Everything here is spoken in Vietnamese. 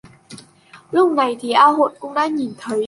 Lúc này thì A Hội cũng đã nhìn thấy